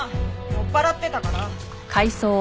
酔っ払ってたから。